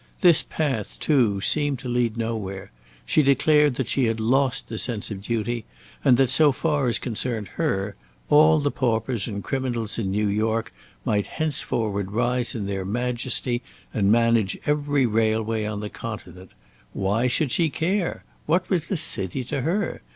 This path, too, seemed to lead nowhere. She declared that she had lost the sense of duty, and that, so far as concerned her, all the paupers and criminals in New York might henceforward rise in their majesty and manage every railway on the continent. Why should she care? What was the city to her?